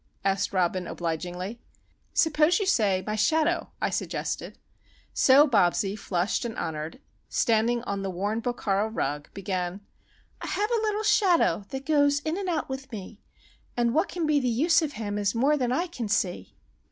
asked Robin, obligingly. "Suppose you say 'My Shadow,'" I suggested. So Bobsie, flushed and honoured, standing on the worn Bokhara rug, began:— "I have a little shadow that goes in and out with me, And what can be the use of him is more than I can see."